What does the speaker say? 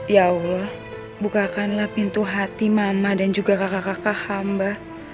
ya allah bukakanlah pintu hati mama dan juga kakak kakak hamba